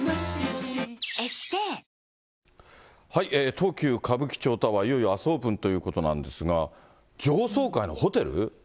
東急歌舞伎町タワー、いよいよあすオープンということなんですが、上層階のホテル。